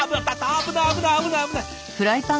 危ない危ない危ない危ない！